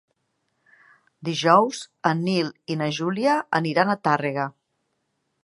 Dijous en Nil i na Júlia aniran a Tàrrega.